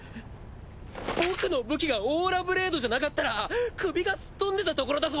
僕の武器がオーラブレードじゃなかったら首がすっ飛んでたところだぞ！